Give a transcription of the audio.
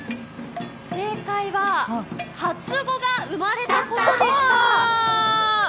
正解は初子が生まれたことでした。